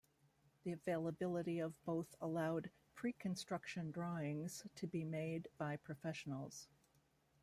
The availability of both allowed pre-construction drawings to be made by professionals.